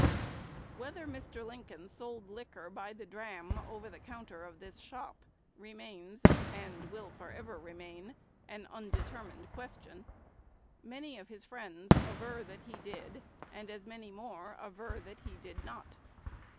Whether Mr. Lincoln sold liquor by the dram over the counter of this shop remains, and will forever remain, an undetermined question. Many of his friends aver that he did, and as many more aver that he did not.